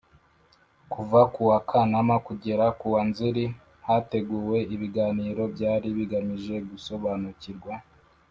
Kuva kuwa Kanama kugeza kuwa Nzeri hateguwe ibiganiro byari bigamije gusobanukirwa